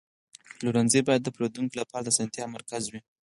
پلورنځی باید د پیرودونکو لپاره د اسانتیا مرکز وي.